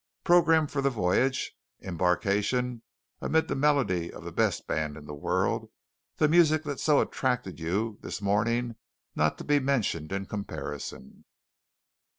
Program for the voyage: embarkation amid the melody of the best band in the world; that music that so attracted you this morning not to be mentioned in comparison.